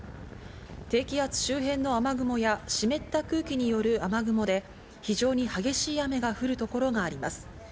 低気圧周辺の雨雲や湿った空気による雨雲で非常に激しい雨が降る所があります。